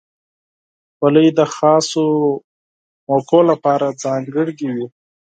خولۍ د خاصو موقعو لپاره ځانګړې وي.